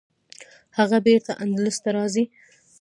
هغه بیرته اندلس ته راځي.